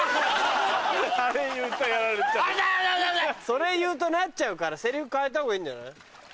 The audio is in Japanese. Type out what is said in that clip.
それ言うとなっちゃうからセリフ変えたほうがいいんじゃない？